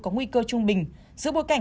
có nguy cơ trung bình giữa bối cảnh